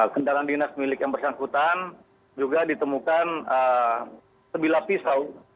kendaraan dinas milik yang bersangkutan juga ditemukan sebilah pisau